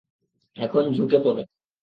এখন ঝুঁকে পরো।